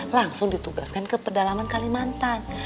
langsung ditugaskan ke pedalaman kalimantan